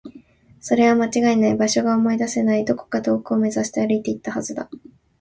それは間違いない。場所が思い出せない。どこか遠くを目指して歩いていったはずだ。